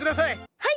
はい！